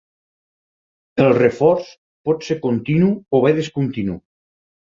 El reforç pot ser continu o bé discontinu.